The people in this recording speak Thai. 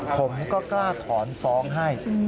ผมก็กล้าถอนฟ้องให้